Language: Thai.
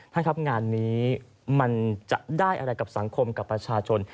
ท่านครับงานนี้มันจะได้อะไรกับสังคมกับประชาชน